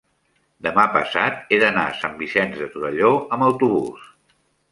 demà passat he d'anar a Sant Vicenç de Torelló amb autobús.